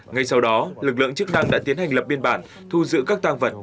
ngay sau đó lực lượng chức năng đã tiến hành lập biên bản thu giữ các tàng vật